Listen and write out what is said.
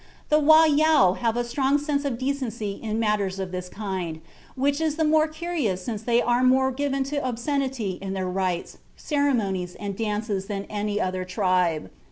The Wa Yao have a strong sense of decency in matters of this kind, which is the more curious since they are more given to obscenity in their rites, ceremonies, and dances than any other tribe.